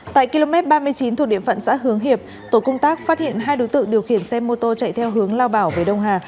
tại km ba mươi chín thuộc địa phận xã hướng hiệp tổ công tác phát hiện hai đối tượng điều khiển xe mô tô chạy theo hướng lao bảo về đông hà